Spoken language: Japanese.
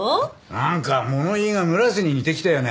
なんか物言いが村瀬に似てきたよね。